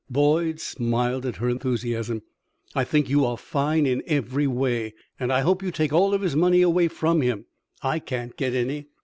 Boyd smiled at her enthusiasm. "I think you are fine in every way, and I hope you take all of his money away from him. I can't get any."